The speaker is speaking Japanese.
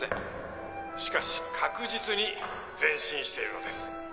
「しかし確実に前進しているのです」